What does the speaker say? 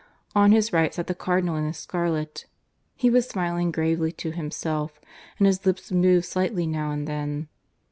On his right sat the Cardinal in his scarlet. He was smiling gravely to himself, and his lips moved slightly now and then.